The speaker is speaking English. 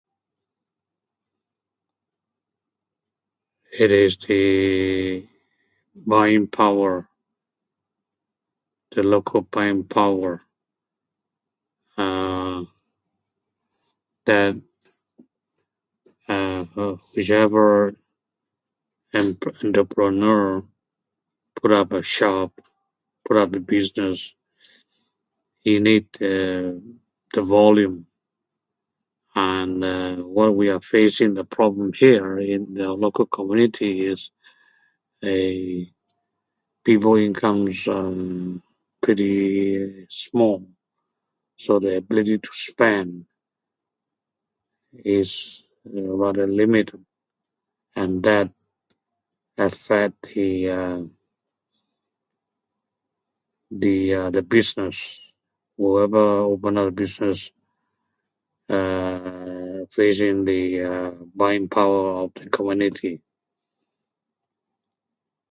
It is the...buying power, the local buying power...uuhhh...that...uh, er, whichever in pr— in the pronur...proper shop, proper, business, you need ehhhm...the volume. And, uuhhh, what we are facing, the problem here in the local community is...eeh, people incomes pretty small so the ability to spend is rather limit, and that affect the uum...the, uhh, the business; wherever you open another business, uuhhh, facing the umm, buying power of the community.